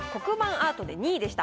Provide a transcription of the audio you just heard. アートで２位でした。